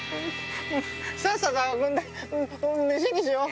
さっさと運んで飯にしよう。